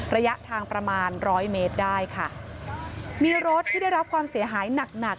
ระยะทางประมาณร้อยเมตรได้ค่ะมีรถที่ได้รับความเสียหายหนักหนัก